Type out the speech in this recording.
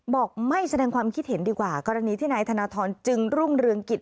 บอกไม่แสดงความคิดเห็นดีกว่ากรณีที่นายธนทรจึงรุ่งเรืองกิจ